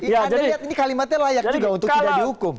jadi ini kalimatnya layak juga untuk tidak dihukum